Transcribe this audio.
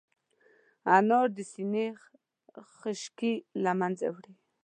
انار د سينې خشکي له منځه وړي.